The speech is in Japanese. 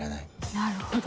なるほど。